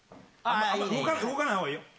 動かないほうがいいよ。